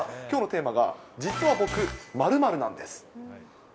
きょうのテーマが、実は僕○○なんです。